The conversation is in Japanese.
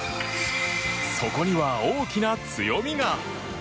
そこには大きな強みが。